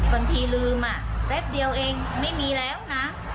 บางทีลืมแป๊บเดียวเองไม่มีแล้วนะ